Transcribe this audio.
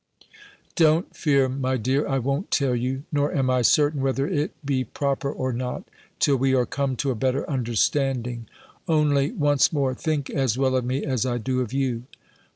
"Don't fear, my dear; I won't tell you: nor am I certain whether it be proper or not, till we are come to a better understanding. Only, once more, think as well of me as I do of you."